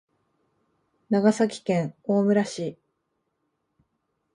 長崎県大村市